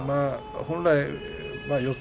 本来四つ